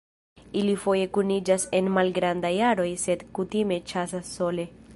Ili foje kuniĝas en malgrandaj aroj sed kutime ĉasas sole.